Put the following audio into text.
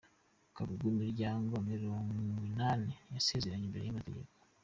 Kagugu imiryango mirongwinani yasezeranye imbere y’amategeko